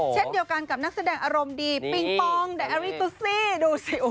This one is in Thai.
เช่นเดียวกันกับนักแสดงอารมณ์ดีปิงปองไดอารี่ตุซี่ดูสิ